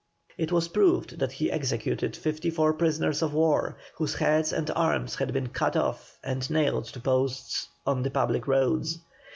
It was proved that he had executed fifty four prisoners of war, whose heads and arms had been cut off and nailed to posts on the public roads.